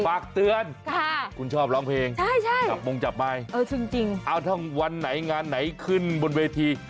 ฝากเตือนคุณชอบร้องเพลงจับมงจับไมค์ถ้าวันไหนงานไหนขึ้นบนเวที